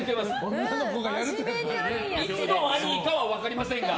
いつのアニーかは分かりませんが。